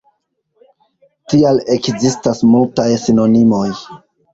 Tial ekzistas multaj sinonimoj.